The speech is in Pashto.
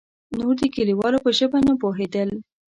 نور د کليوالو په ژبه نه پوهېدل.